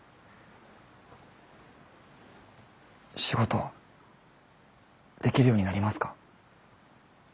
仕事できるようになりますか？